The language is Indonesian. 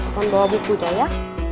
pondok buku caya